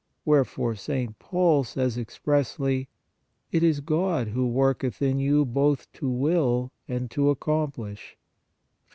Wherefore St. Paul says expressly :" It is God who worketh in you both to will and to accomplish" (Phil.